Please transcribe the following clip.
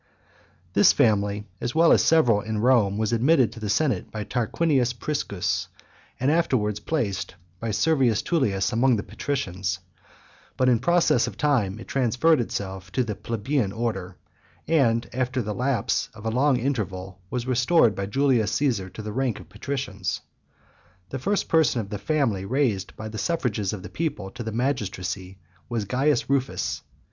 This family, as well as several in Rome, was admitted into the senate by Tarquinius Priscus, and soon afterwards placed by Servius Tullius among the patricians; but in process of time it transferred itself to the plebeian order, and, after the lapse of a long interval, was restored by Julius Caesar to the rank of patricians. The first person of the family raised by the suffrages of the people to the magistracy, was Caius Rufus.